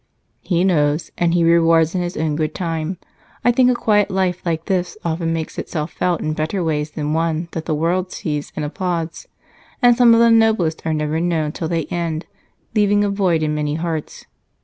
"He knows, and He rewards in His own good time. I think a quiet life like this often makes itself felt in better ways than one that the world sees and applauds, and some of the noblest are never known till they end, leaving a void in many hearts.